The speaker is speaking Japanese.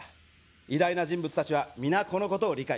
偉大な人物たちは皆このことを理解している。